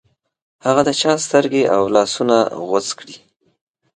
هغه د چا سترګې او لاسونه غوڅ کړې.